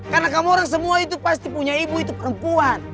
karena kamu semua pasti punya ibu itu perempuan